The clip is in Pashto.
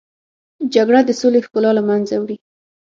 جګړه د سولې ښکلا له منځه وړي